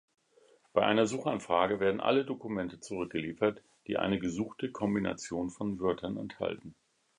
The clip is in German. Bei einer Suchanfrage werden alle Dokumente zurückgeliefert, die eine gesuchte Kombination von Wörtern enthalten.